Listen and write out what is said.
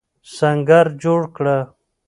سنګر جوړ کړه.